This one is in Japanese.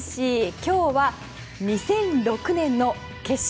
今日は２００６年の決勝。